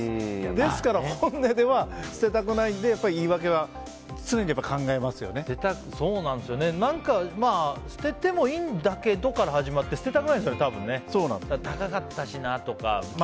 ですから本音では捨てたくないので言い訳は捨ててもいいんだけどから始まって捨てたくない人は、多分高かったしなとか。